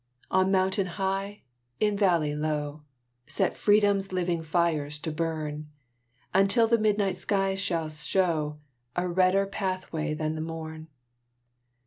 On mountain high, in valley low, Set Freedom's living fires to burn; Until the midnight sky shall show A redder pathway than the morn.